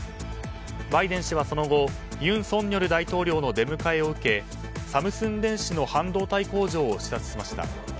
バイデン氏はその後尹錫悦大統領の出迎えを受けサムスン電子の半導体工場を視察しました。